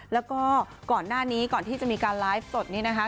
แล้วก็ก่อนหน้านี้ก่อนที่จะมีการไลฟ์สดนี้นะคะ